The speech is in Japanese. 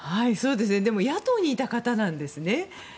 でも野党にいた方なんですね。